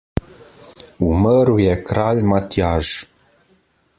Umrl je kralj Matjaž!